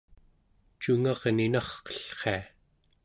cungarninarqellria